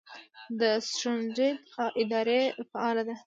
د سټنډرډ اداره فعاله ده؟